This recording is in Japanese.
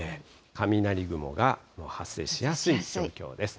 雷雲が発生しやすい状況です。